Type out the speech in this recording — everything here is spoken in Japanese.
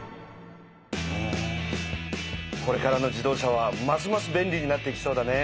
これからの自動車はますます便利になっていきそうだね。